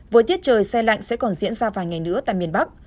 với tiết trời xe lạnh sẽ còn diễn ra vài ngày nữa tại miền bắc